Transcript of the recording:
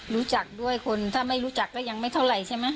รู้จักด้วยคนถ้าไม่รู้จักก็ยังไม่เท่าไหร่ใช่ไหม